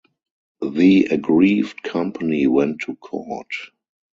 The aggrieved company went to court.